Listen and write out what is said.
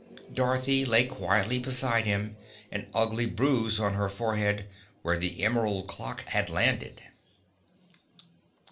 Dorothy lay quietly beside him, an ugly bruise on her forehead, where the emerald clock had landed.